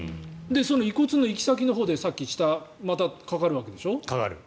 遺骨の行き先のほうで下のがかかるわけでしょ。